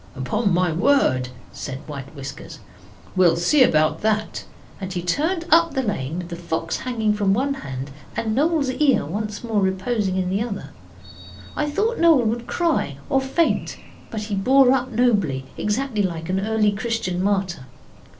'Upon my word,' said White Whiskers. 'We'll see about that,' and he turned up the lane with the fox hanging from one hand and Noel's ear once more reposing in the other. I thought Noel would cry or faint. But he bore up nobly exactly like an early Christian martyr.